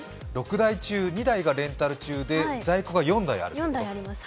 ６台中２台がレンタル中で在庫が４台ある？